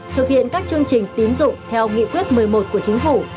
thực hiện các chương trình tín dụng theo nghị quyết một mươi một của chính phủ